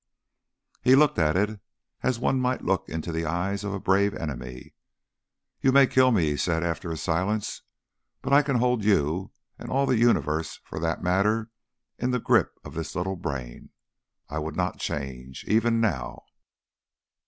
He looked at it as one might look into the eyes of a brave enemy. "You may kill me," he said after a silence. "But I can hold you and all the universe for that matter in the grip of this little brain. I would not change. Even now."